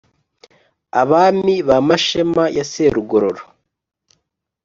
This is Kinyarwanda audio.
abami ba mashema ya serugorora,